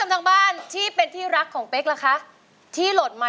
ไม่เป็นไรค่ะปล่อยผ่านก็ได้